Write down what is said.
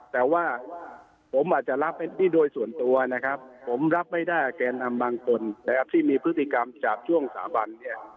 แต่ว่าผมอาจจะรับที่โดยส่วนตัวนะครับผมรับไม่ได้กับแกนนำบางคนนะครับที่มีพฤติกรรมจาบช่วงสาบันเนี่ย